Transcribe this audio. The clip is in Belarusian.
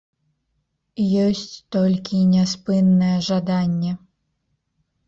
Ёсць толькі няспыннае жаданне.